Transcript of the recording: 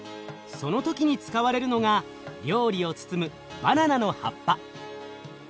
その時に使われるのが料理を包むバナナの葉っぱ。